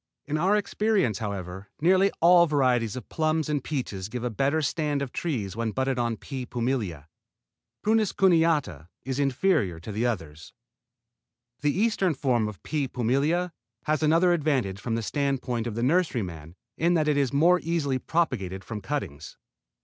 In our experience, however, nearly all varieties of plums and peaches give a better stand of trees when budded on P. pumila. Prunus cuneata is inferior to the others. The eastern form, P. pumila, has another advantage from the standpoint of the nurseryman in that it is more easily propagated from cuttings.